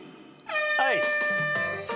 はい。